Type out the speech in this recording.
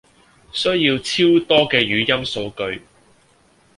需要超多嘅語音數據